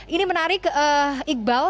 ini menarik iqbal